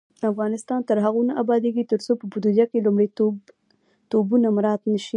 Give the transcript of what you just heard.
افغانستان تر هغو نه ابادیږي، ترڅو په بودیجه کې لومړیتوبونه مراعت نشي.